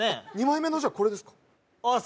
２枚目のじゃあこれですかあっ